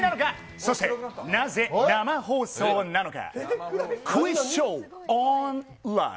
そして、なぜ生放送なのか。